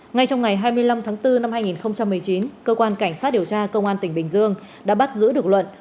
ngay trong ngày hai mươi năm tháng bốn năm hai nghìn một mươi chín cơ quan cảnh sát điều tra công an tỉnh bình dương đã bắt giữ được luận